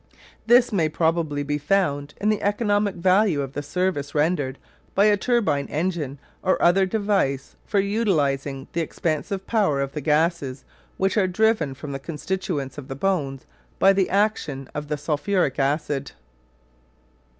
This may probably be found in the economic value of the service rendered by a turbine engine or other device for utilising the expansive power of the gases which are driven from the constituents of the bones by the action of the sulphuric acid.